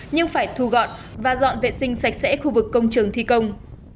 nhưng phải thu gọn và dọn vệ sinh sạch sẽ khu vực công trường thi công